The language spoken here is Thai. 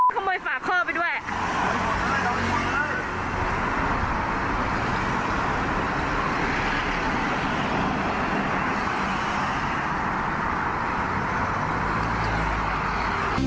ขโมยฝากพ่อไปด้วย